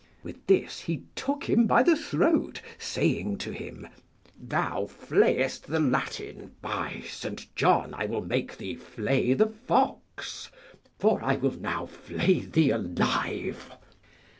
With this he took him by the throat, saying to him, Thou flayest the Latin; by St. John, I will make thee flay the fox, for I will now flay thee alive.